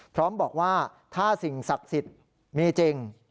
พร้อมบอกว่าถ้าสิ่งศักดิ์สิทธิ์มีจริง